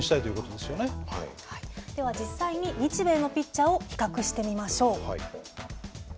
では実際に日米のピッチャーを比較してみましょう。